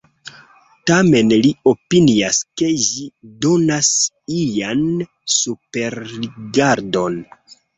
Tamen li opinias ke ĝi donas ian superrigardon.